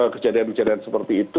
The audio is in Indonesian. kejadian kejadian seperti itu